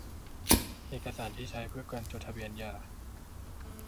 เอกสารที่ใช้เพื่อการจดทะเบียนหย่า